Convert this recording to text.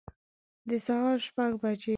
د سهار شپږ بجي